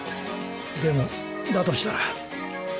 でもだとしたら。